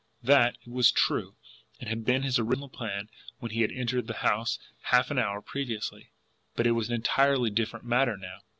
That, it was true, had been his original plan when he had entered the house half an hour previously, but it was an entirely different matter now.